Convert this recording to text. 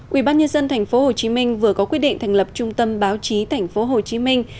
quỹ ban nhân dân thành phố hồ chí minh vừa có quyết định thành lập trung tâm báo chí thành phố hồ chí minh